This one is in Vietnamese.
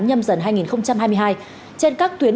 nhâm dần hai nghìn hai mươi hai trên các tuyến